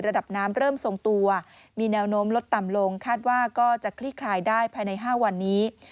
ระดับน้ำเริ่มทรงตัวมีแนวโน้มลดต่ำลงคาดว่าก็จะคลี่คลายได้ภายใน๕วันนี้